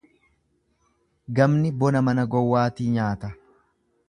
Gamni bona mana gowwaatii nyaata.